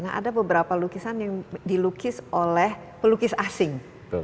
nah ada beberapa lukisan yang dilukis oleh pelukis asing